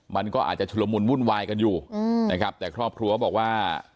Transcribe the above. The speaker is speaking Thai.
มันก็อาจจะชุลมุนวุ่นวายกันอยู่นะครับแต่ครอบครัวบอกว่า